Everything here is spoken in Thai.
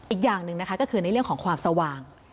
อีกอย่างหนึ่งนะคะก็คือในเรื่องของความสว่าง